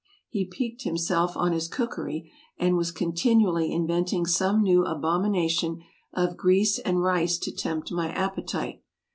He piqued himself on his cookery, and was continually inventing some new abomination of grease and rice to tempt my appetite.